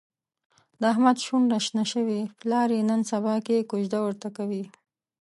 د احمد شونډه شنه شوې، پلار یې نن سباکې کوزده ورته کوي.